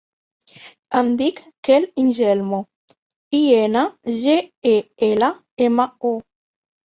Em dic Quel Ingelmo: i, ena, ge, e, ela, ema, o.